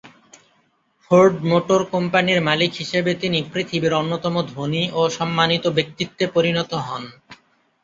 Ford Motor কোম্পানির মালিক হিসেবে তিনি পৃথিবীর অন্যতম ধনী ও সম্মানিত ব্যক্তিত্বে পরিণত হন।